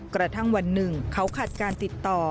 กระทั่งวันหนึ่งเขาขาดการติดต่อ